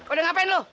udah ngapain loh